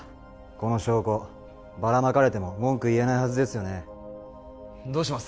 この証拠バラまかれても文句言えないはずですよねどうします？